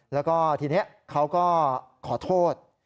แล้วก็ทีนี้เขาก็ขอโทษ